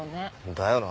だよな。